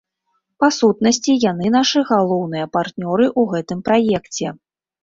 Па сутнасці, яны нашы галоўныя партнёры ў гэтым праекце.